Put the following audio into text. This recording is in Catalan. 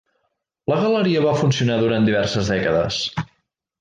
La galeria va funcionar durant diverses dècades.